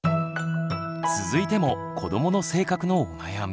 続いても子どもの性格のお悩み。